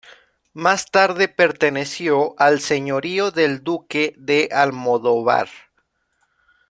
Más tarde perteneció al señorío del duque de Almodóvar.